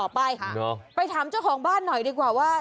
ไปไปถามเจ้าของบ้านหน่อยดีกว่าว่า